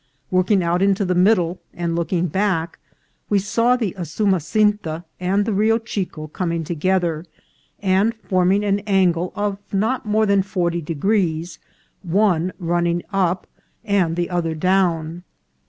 "Working out into the middle and looking back, we saw the Usumasinta and Rio Chico coming together, and forming an angle of not more than forty degrees, one running up and the other down.